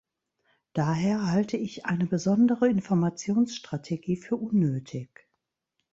Daher halte ich eine besondere Informationsstrategie für unnötig.